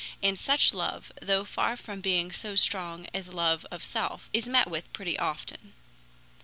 And such love, though far from being so strong as love of self, is met with pretty often.